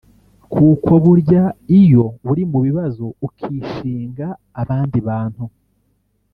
Kuko burya iyo uri mu bibazo ukishinga abandi bantu